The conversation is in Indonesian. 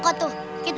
kamu duluan dihidup